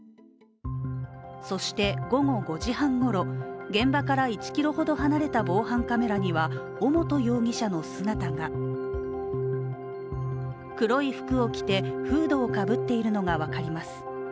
そして午後５時半ごろ、現場から１ｋｍほど離れた防犯カメラには尾本容疑者の姿が黒い服を着て、フードをかぶっているのが分かります。